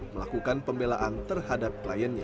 melakukan pembelaan terhadap kliennya